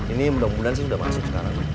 ini mudah mudahan sih sudah masuk sekarang